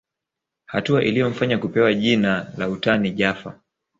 Hatua iliyomfanya kupewa jina la utani Jaffa